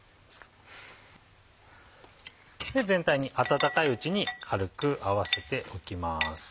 全体に温かいうちに軽く合わせていきます。